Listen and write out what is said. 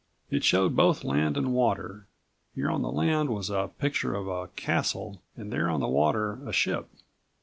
It showed both land and water. Here on the96 land was a picture of a castle and there on the water a ship.